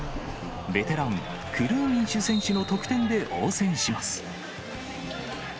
ベテラン、クルーミンシュ選手の得点で応戦します。